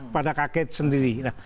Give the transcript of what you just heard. pada kaget sendiri